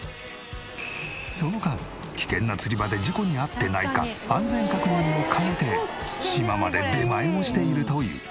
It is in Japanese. その間危険な釣り場で事故に遭ってないか安全確認も兼ねて島まで出前をしているという。